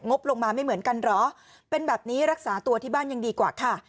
บลงมาไม่เหมือนกันเหรอเป็นแบบนี้รักษาตัวที่บ้านยังดีกว่าค่ะ